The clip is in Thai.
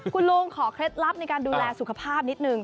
คุณลุงขอเคล็ดลับในการดูแลสุขภาพนิดนึง